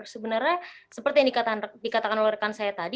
sebenarnya seperti yang dikatakan oleh rekan saya tadi